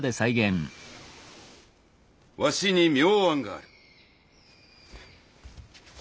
わしに妙案がある。